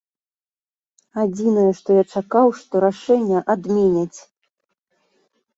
Адзінае, што я чакаў, што рашэнне адменяць.